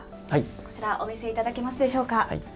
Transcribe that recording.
こちら、お見せいただけますでしょうか。